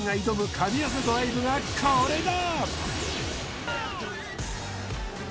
神業ドライブがこれだ！